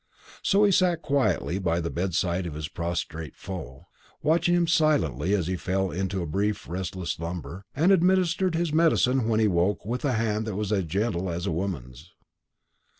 So he sat quietly by the bedside of his prostrate foe, watched him silently as he fell into a brief restless slumber, and administered his medicine when he woke with a hand that was as gentle as a woman's.